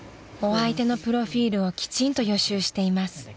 ［お相手のプロフィルをきちんと予習しています］